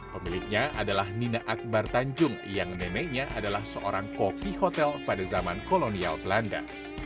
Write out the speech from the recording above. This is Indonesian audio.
pemiliknya adalah nina akbar tanjung yang neneknya adalah seorang kopi hotel pada zaman kolonial belanda